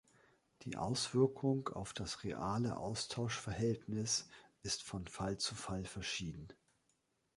Die Auswirkung auf das reale Austauschverhältnis ist von Fall zu Fall verschieden.